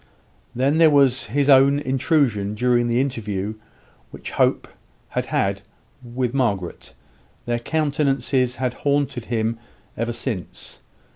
Then there was his own intrusion during the interview which Hope had with Margaret; their countenances had haunted him ever since.